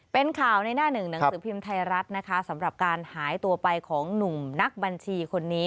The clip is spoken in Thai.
เป็นข่าวในหน้าหนึ่งหนังสือพิมพ์ไทยรัฐนะคะสำหรับการหายตัวไปของหนุ่มนักบัญชีคนนี้